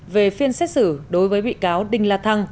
về phiên xét xử đối với bị cáo đinh la thăng